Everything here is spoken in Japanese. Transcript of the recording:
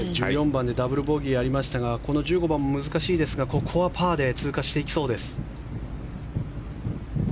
１４番でダブルボギーありましたがこの１５番も難しいですがここはパーで通過していきそうです。